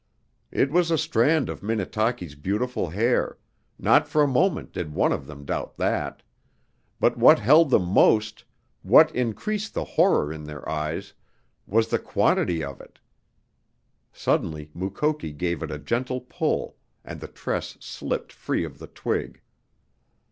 It was a strand of Minnetaki's beautiful hair, not for a moment did one of them doubt that; but what held them most, what increased the horror in their eyes, was the quantity of it! Suddenly Mukoki gave it a gentle pull and the tress slipped free of the twig.